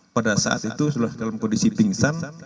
pada saat itu sudah dalam kondisi pingsan